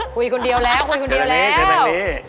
คุยคนเดียวแล้วคือแบบนี้